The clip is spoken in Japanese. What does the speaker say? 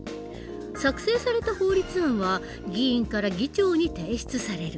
作成された法律案は議員から議長に提出される。